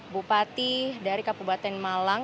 bupati dari kabupaten malang